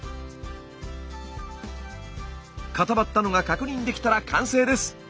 固まったのが確認できたら完成です。